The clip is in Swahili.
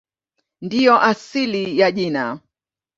Ndiyo asili ya jina.